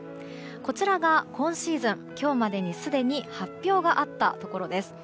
こちらが今シーズン、今日までにすでに発表があったところです。